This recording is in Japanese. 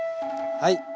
はい。